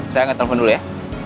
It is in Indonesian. saya ngetelpon dulu ya